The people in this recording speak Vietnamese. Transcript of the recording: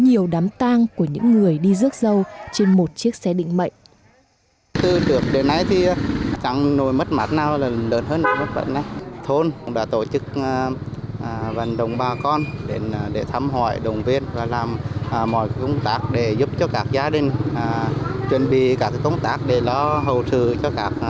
có nhiều đám tang của những người đi rước dâu trên một chiếc xe định mệnh